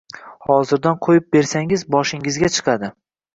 Hozirdan qo`yib bersangiz, boshingizga chiqadi